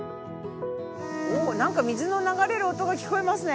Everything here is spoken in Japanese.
おおっなんか水の流れる音が聞こえますね。